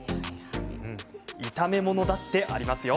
炒め物だってありますよ。